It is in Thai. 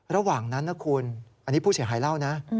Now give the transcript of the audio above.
ระหว่างนั้นนะคุณอันนี้ผู้เสียหายเล่านะ